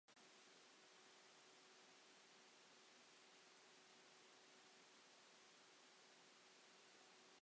Ni chlywir sŵn symudiad y diferyn dŵr gan y glust feinaf.